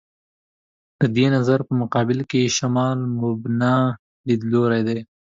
د دې نظر په مقابل کې «شمال مبنا» لیدلوری دی.